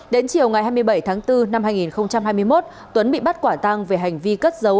đến chiều ngày hai mươi bảy tháng bốn năm hai nghìn hai mươi một tuấn bị bắt quả tang về hành vi cất dấu